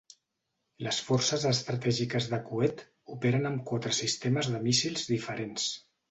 Les Forces Estratègiques de Coet, operen amb quatre sistemes de míssils diferents.